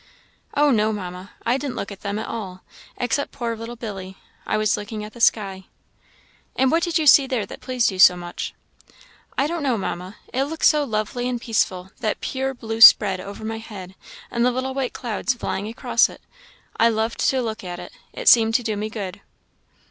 "Oh, no, Mamma, I didn't look at them at all, except poor little Billy. I was looking at the sky." "And what did you see there that pleased you so much?" "I don't know, Mamma; it looked so lovely and peaceful that pure blue spread over my head, and the little white clouds flying across it I loved to look at it; it seemed to do me good."